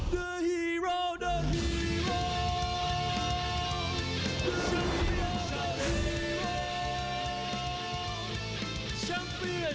ตอนนี้มวยกู้ที่๓ของรายการ